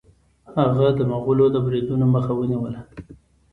هغه د مغولو د بریدونو مخه ونیوله.